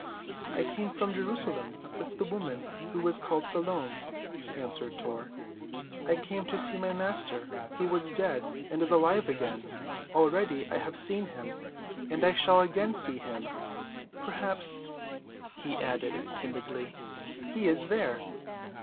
"I came from Jerusalem with the woman who is called Salome," answered Tor. "I am come to see my Master, who was dead and is alive again. Already I have seen him. And I shall again see him. Perhaps," he added timidly, "he is there."